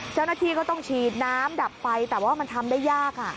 เจ้าหน้าที่ก็ต้องฉีดน้ำดับไฟแต่ว่ามันทำได้ยาก